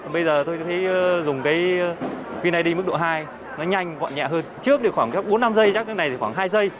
bây giờ tôi thấy dùng vneid mức độ hai nó nhanh gọn nhẹ hơn trước thì khoảng bốn năm giây trước này thì khoảng hai giây